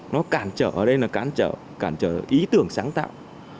nó cản trở ở đây là cản trở cản trở ý tưởng sáng tạo